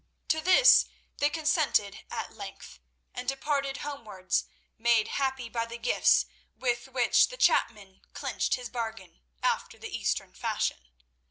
To this they consented at length, and departed homewards made happy by the gifts with which the chapman clinched his bargain, after the Eastern fashion.